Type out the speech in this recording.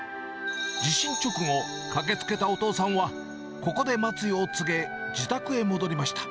地震直後、駆けつけたお父さんは、ここで待つよう告げ、自宅へ戻りました。